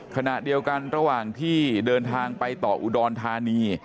ขณะเดียวกันระหว่างที่เดินทางไปต่ออุดรธานี